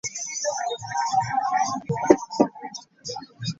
Obuwumbi obuwera bwe bwakagenda mu kulwanyisa ekirwadde ki lumiimamawuggwe.